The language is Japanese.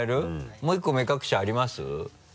もう１個目隠しあります？